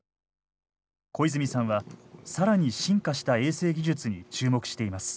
小泉さんは更に進化した衛星技術に注目しています。